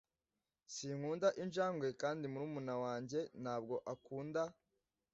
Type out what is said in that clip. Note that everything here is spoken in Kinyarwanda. Sinkunda injangwe kandi murumuna wanjye ntabwo akunda.